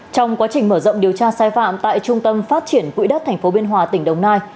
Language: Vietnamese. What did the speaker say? trong quá trình mở rộng điều tra sai phạm tại trung tâm phát triển quỹ đất tp biên hòa tỉnh đồng nai